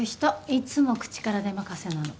いつも口から出任せなの。